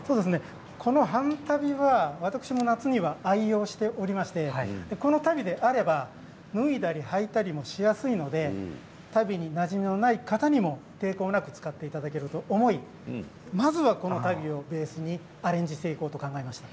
この半足袋は私も夏には愛用しておりましてこの足袋であれば脱いだりはいたりもしやすいので足袋になじみのない方にも抵抗なく使っていただけると思いまずはこの足袋をベースにアレンジしていこうと考えました。